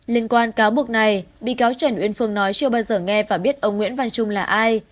liên quan cáo buộc này bị cáo trần uyên phương nói chưa bao giờ nghe và biết ông nguyễn văn trung là ai